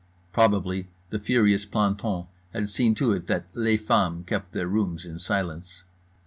Probably the furious planton had seen to it that les femmes kept their rooms in silence.